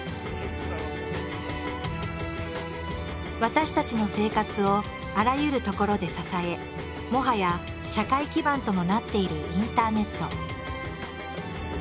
私たちの生活をあらゆるところで支えもはや社会基盤ともなっているインターネット。